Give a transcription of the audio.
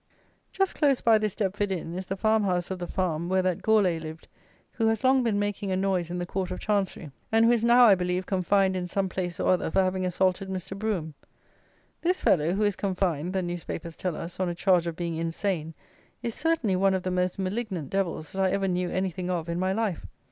Just close by this Deptford Inn is the farm house of the farm where that Gourlay lived, who has long been making a noise in the Court of Chancery, and who is now, I believe, confined in some place or other for having assaulted Mr. Brougham. This fellow, who is confined, the newspapers tell us, on a charge of being insane, is certainly one of the most malignant devils that I ever knew anything of in my life.